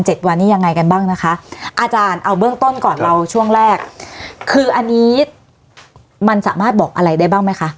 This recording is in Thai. วันนี้ยังไงกันบ้างนะคะอาจารย์เอาเบื้องต้นก่อนเราช่วงแรกคืออันนี้มันสามารถบอกอะไรได้บ้างไหมคะ